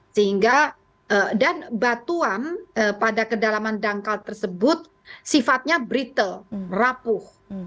sehingga dan batuan pada kedalaman dangkal tersebut sifatnya brittle rapuh